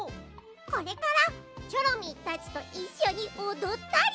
これからチョロミーたちといっしょにおどったり。